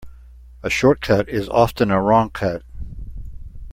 A short cut is often a wrong cut.